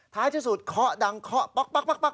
ท้ายที่สุดเคาะดังเคาะป๊อกป๊อกป๊อกป๊อก